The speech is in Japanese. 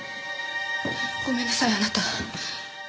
ごめんなさいあなた。